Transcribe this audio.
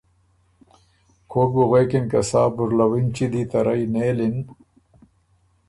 کوک بُو غوېکِن که سا بُرلَوُنچی دی ته رئ نېلِن